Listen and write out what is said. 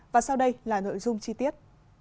và sau đây là nội dung chi tiết